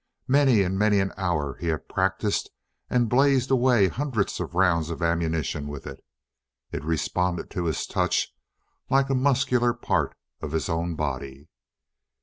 Many and many an hour he had practiced and blazed away hundreds of rounds of ammunition with it. It responded to his touch like a muscular part of his own body.